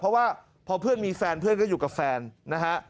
เพราะว่าพอเพื่อนมีแฟนเพื่อนก็อยู่กับแฟนนะฮะ